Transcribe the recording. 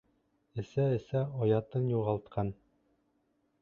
Эсә-эсә оятын юғалтҡан.